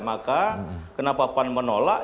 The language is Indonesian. maka kenapa pan menolak